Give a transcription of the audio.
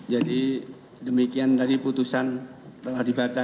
jadi demikian tadi putusan telah dibaca